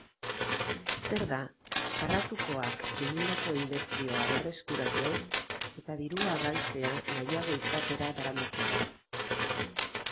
Zer da Karratukoak egindako inbertsioa berreskuratu ez eta dirua galtzea nahiago izatera daramatzana?